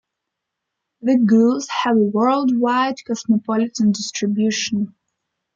The gulls have a worldwide cosmopolitan distribution.